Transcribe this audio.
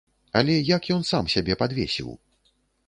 Але як ён сам сябе падвесіў?